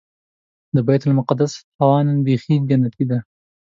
د بیت المقدس هوا نن بيخي جنتي وه.